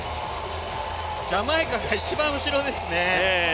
ジャマイカが一番後ろですね。